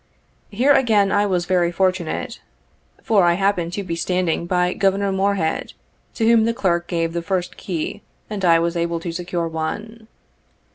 Here again I was very fortunate, for I happened to be standing by Governor Morehead, to whom the clerk gave the first key, and I was able to secure one.